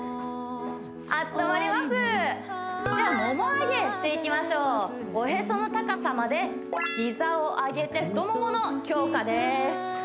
温まりますじゃあモモ上げしていきましょうおへその高さまで膝を上げて太モモの強化です